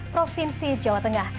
provinsi jawa tengah